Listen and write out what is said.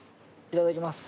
いただきます。